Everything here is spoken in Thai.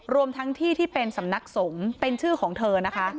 รวมทั้งที่ที่เป็นสำนักสงฆ์เป็นชื่อของเธอนะคะ